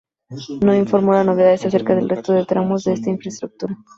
No informa de novedades acerca del resto de tramos de esta infraestructura.